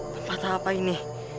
tempat apa ini